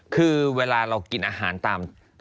คือเวลาเรากินอาหารตาม